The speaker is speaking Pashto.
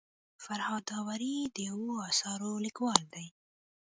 فرهاد داوري د اوو اثارو لیکوال دی.